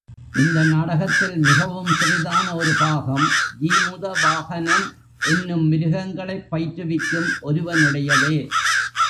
இந்த நாடகத்தில் மிகவும் சிறிதான ஒரு பாகம், ஜீமுத வாஹனன் என்னும் மிருகங்களைப் பயிற்றுவிக்கும் ஒருவனுடையதே.